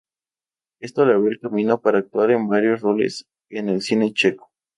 Esto le abrió el camino para actuar en varios roles en el cine checo.